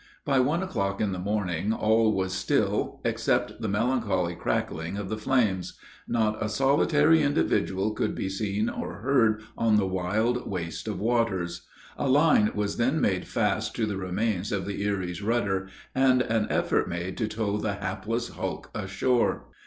By one o'clock in the morning, all was still except the melancholy crackling of the flames. Not a solitary individual could be seen or heard on the wild waste of waters. A line was then made fast to the remains of the Erie's rudder, and an effort made to tow the hapless hulk ashore.